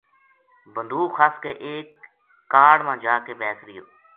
بندوکھ خَس کے ایک کاڑ ما جا کے بیس رہیو